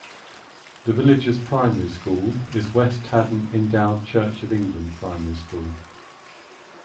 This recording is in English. The village's primary school is West Haddon Endowed Church of England Primary School.